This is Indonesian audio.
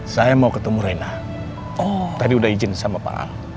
saya mau ketemu rena tadi udah izin sama pak a